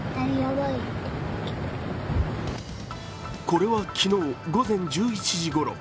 これは昨日、午前１１時ごろ。